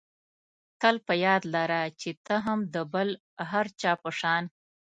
تل په یاد لره چې ته هم د بل هر چا په شان.